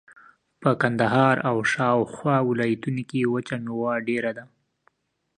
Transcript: په کندهار او شاوخوا ولایتونو کښې وچه مېوه ډېره ده.